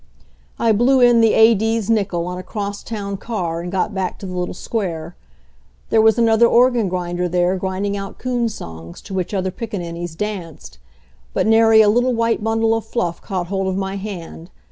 I blew in the A.D.'s nickel on a cross town car and got back to the little Square. There was another organ grinder there grinding out coon songs, to which other piccaninnies danced. But nary a little white bundle of fluff caught hold of my hand.